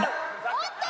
おっと！